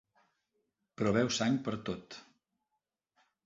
Però veu sang pertot.